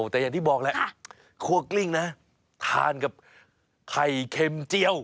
แต่อย่างที่บอกแหละครัวกลิ้งนะทานกับไข่เค็มเจียว